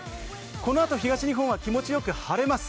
このあと東日本は気持ちよく晴れます。